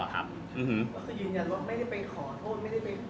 อื้อฮึ